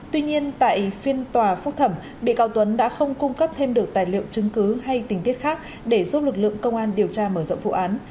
tuy nhiên tại phiên tòa phúc thẩm bị cáo tuấn đã không cung cấp thêm được tài liệu chứng cứ hay tình tiết khác để giúp lực lượng công an điều tra mở rộng vụ án